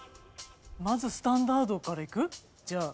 まずスタンダートからいく？じゃあ。